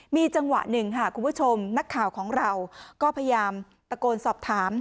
มีจังหวะหนึ่งค่ะคุณผู้ชมนักข่าวของเราก็พยายามตะโกนสอบถาม